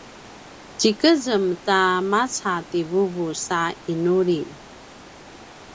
tjikezem ta maca ti vuvu sa inuli